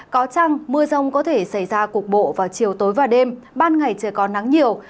có trăng mưa rông có thể xảy ra cục bộ vào chiều tối và đêm ban ngày trời có nắng nhiều